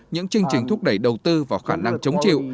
những chương trình thúc đẩy đầu tư vào khả năng chống chịu